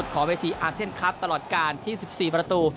จะขอเวทีอาเซนครัพท์ตลอดการที่๑๔ประตู